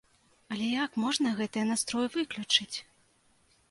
Але як можна гэтыя настроі выключыць?